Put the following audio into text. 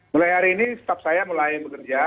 mulai hari ini staff saya mulai bekerja